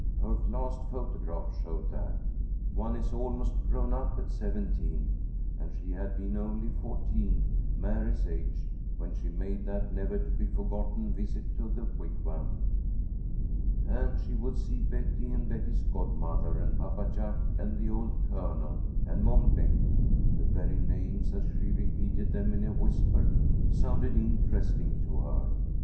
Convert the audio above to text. Her last photograph showed that. One is almost grown up at seventeen, and she had been only fourteen, Mary's age, when she made that never to be forgotten visit to the Wigwam. And she would see Betty and Betty's godmother and Papa Jack and the old Colonel and Mom Beck. The very names, as she repeated them in a whisper, sounded interesting to her.